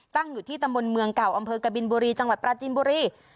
ตั้งอยู่ที่ตำบลเมืองเก่าอำเภอกบินบุรีจังหวัดปราจินบุรี